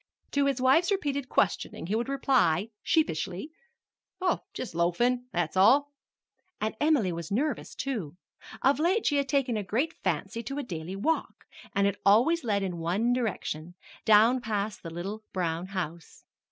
To his wife's repeated questioning he would reply, sheepishly, "Oh, just loafin', that's all." And Emily was nervous, too. Of late she had taken a great fancy to a daily walk, and it always led in one direction down past the little brown house.